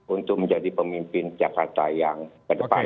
untuk menjadi pemimpin jakarta yang kedepan